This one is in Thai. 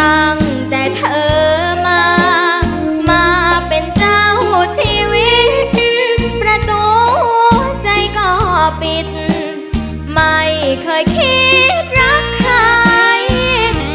ตั้งแต่เธอมามาเป็นเจ้าชีวิตจริงประตูใจก็ปิดไม่เคยคิดรักใคร